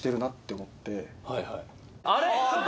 あれ？